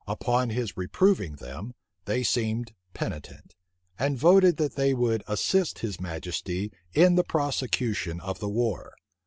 Upon his reproving them, they seemed penitent; and voted, that they would assist his majesty in the prosecution of the war.